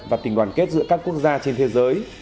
và tình đoàn kết giữa các quốc gia trên thế giới